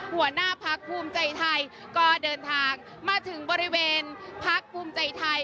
หัวหน้าพักภูมิใจไทยก็เดินทางมาถึงบริเวณพักภูมิใจไทย